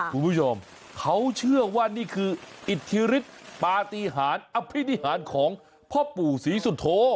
คุณผู้ชมเขาเชื่อว่านี่คืออิทธิฤทธิ์ปฏิหารอภินิหารของพ่อปู่ศรีสุโธ